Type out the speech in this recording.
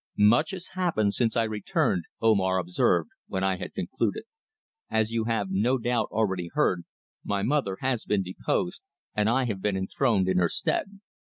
"Much has happened since I returned," Omar observed, when I had concluded. "As you have no doubt already heard, my mother has been deposed, and I have been enthroned in her stead."